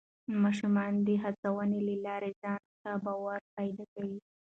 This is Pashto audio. ماشومان د هڅونې له لارې ځان ته باور پیدا کوي